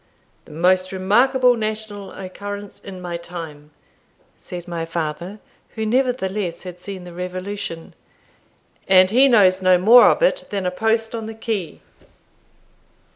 "The most remarkable national occurrence in my time," said my father (who nevertheless had seen the Revolution) "and he knows no more of it than a post on the quay!"